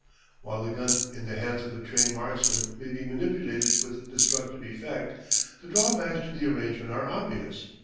While the gun in the hands of a trained marksman may be manipulated with destructive effect, the drawbacks to the arrangement are obvious.